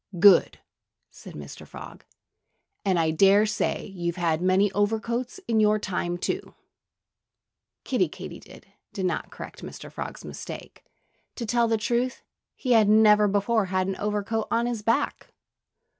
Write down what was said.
"Good!" said Mr. Frog. "And I dare say you've had many overcoats in your time, too." Kiddie Katydid did not correct Mr. Frog's mistake. To tell the truth, he had never before had an overcoat on his back.